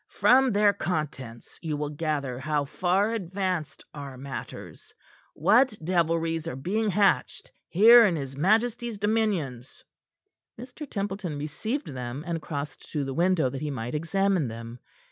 From their contents, you will gather how far advanced are matters, what devilries are being hatched here in his majesty's dominions." Mr. Templeton received them, and crossed to the window that he might examine them.